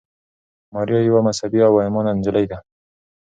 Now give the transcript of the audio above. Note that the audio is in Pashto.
ماریا یوه مذهبي او با ایمانه نجلۍ ده.